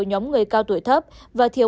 nhóm người cao tuổi thấp và thiếu